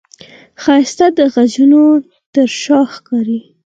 ښایست د غږونو تر شا ښکاري